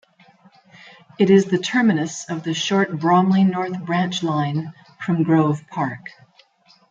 It is the terminus of the short Bromley North Branch Line from Grove Park.